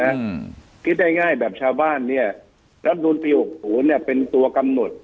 อืมคิดได้ง่ายง่ายแบบชาวบ้านเนี้ยรัฐมนุนปีหกศูนย์เนี้ยเป็นตัวกำหนด